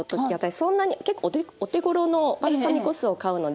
そんなに結構お手頃のバルサミコ酢を買うので。